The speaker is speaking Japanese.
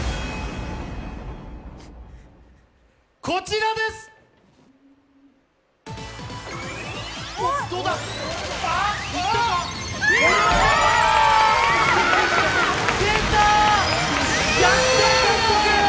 こちらです！